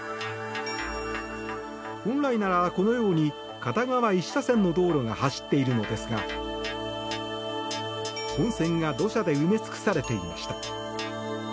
本来なら、このように片側１車線の道路が走っているのですが本線が土砂で埋め尽くされていました。